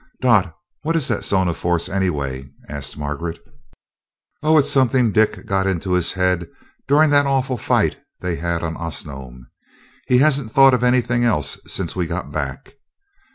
"Dot, what is that zone of force, anyway?" asked Margaret. "Oh, it's something Dick got into his head during that awful fight they had on Osnome. He hasn't thought of anything else since we got back.